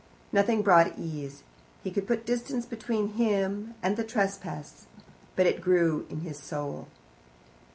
Nothing brought ease. He could put distance between him and the trespass, but it grew in his soul.